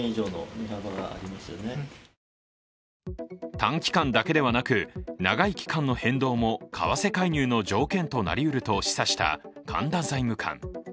短期間だけではなく、長い期間の変動も為替介入の条件となり得ると示唆した神田財務官。